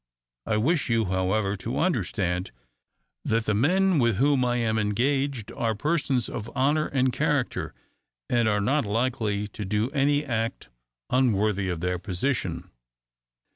I wish you, however, to understand, that the men with whom I am engaged are persons of honour and character, and are not likely to do any act unworthy of their position."